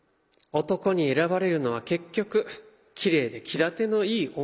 男に選ばれるのは結局きれいで気立てのいい女。